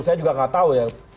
saya juga gak tau ya